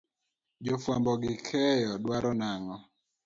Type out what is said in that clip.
Jo fuambo gikeyo dwaro nang'o.